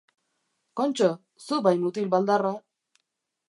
Kontxo, zu bai mutil baldarra!